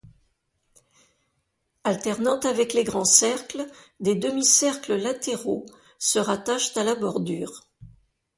Alternant avec les grands cercles, des demi-cercles latéraux se rattachent à la bordure.